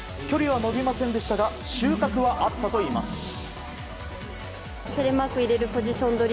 距離は伸びませんでしたが収穫はあったといいます。